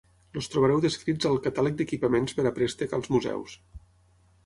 Els trobareu descrits al "Catàleg d'equipaments per a préstec als museus".